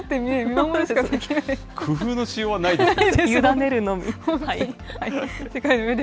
工夫のしようがないですよね。